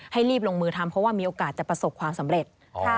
รีบลงมือทำเพราะว่ามีโอกาสจะประสบความสำเร็จ